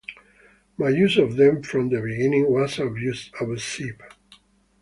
My use of them from the beginning was abusive.